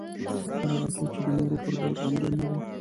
هر هغه څوک چې د نورو په درد غمجن نه وي.